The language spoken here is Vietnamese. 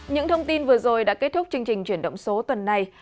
những thông tin vừa rồi đã kết thúc chương trình chuyển động số tuần này